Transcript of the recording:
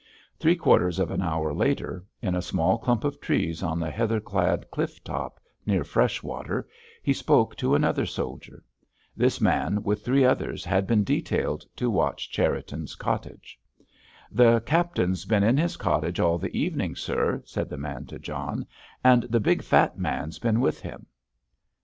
Three quarters of an hour later, in a small clump of trees on the heather clad cliff top near Freshwater, he spoke to another soldier. This man, with three others, had been detailed to watch Cherriton's cottage. "The captain's been in his cottage all the evening, sir," said the man to John, "and the big, fat man's been with him."